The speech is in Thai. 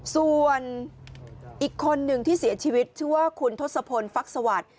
ส่วนอีกคนนึงที่เสียชีวิตชื่อว่าคุณทศพลฟักสวัสดิ์